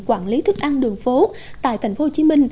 quản lý thức ăn đường phố tại tp hcm